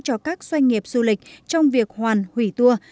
cho các doanh nghiệp du lịch trong việc hoàn hủy tour